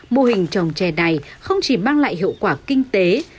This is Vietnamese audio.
mô hình trồng trè này không chỉ mang lại hiệu quả kinh tế